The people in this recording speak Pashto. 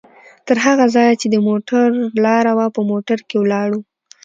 تر هغه ځایه چې د موټر لاره وه، په موټر کې ولاړو؛